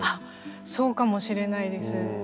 そうかもしれないです。